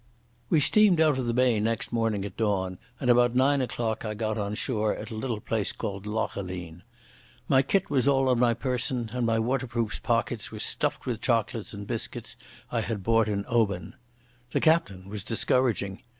We steamed out of the bay next morning at dawn, and about nine o'clock I got on shore at a little place called Lochaline. My kit was all on my person, and my waterproof's pockets were stuffed with chocolates and biscuits I had bought in Oban. The captain was discouraging.